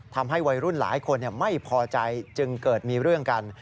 ทำให้วัยรุ่นหลายคนไม่พอใจจึงเกิดมีเรื่องกัน